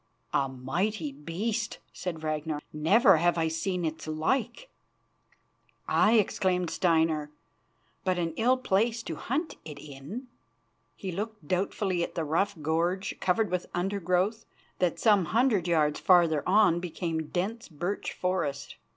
"A mighty beast," said Ragnar. "Never have I seen its like." "Aye," exclaimed Steinar, "but an ill place to hunt it in," and he looked doubtfully at the rough gorge, covered with undergrowth, that some hundred yards farther on became dense birch forest.